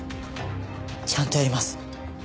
ちゃんとやります。